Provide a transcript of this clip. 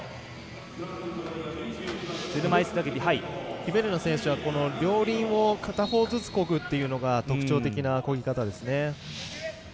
イベルナ選手は両輪を片方ずつこぐというのが特徴的な、こぎ方ですね。